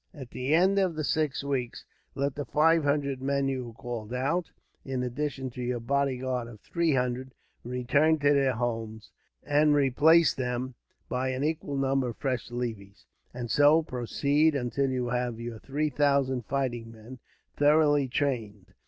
At the end of the six weeks, let the five hundred men you have called out, in addition to your bodyguard of three hundred, return to their homes; and replace them by an equal number of fresh levies, and so proceed until you have your three thousand fighting men, thoroughly trained.